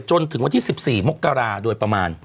จนถึงวันที่๑๔มกราโดยประมาณ